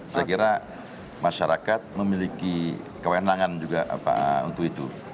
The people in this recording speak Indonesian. saya kira masyarakat memiliki kewenangan juga untuk itu